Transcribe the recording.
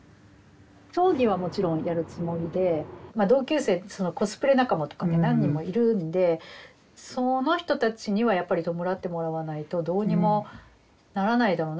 葬儀はもちろんやるつもりでまあ同級生そのコスプレ仲間とかね何人もいるんでその人たちにはやっぱり弔ってもらわないとどうにもならないだろうな。